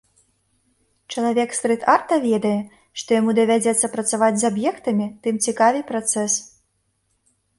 Чалавек стрыт-арта ведае, што яму давядзецца працаваць з аб'ектамі, тым цікавей працэс.